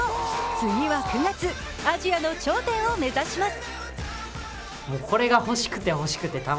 次は９月、アジアの頂点を目指します。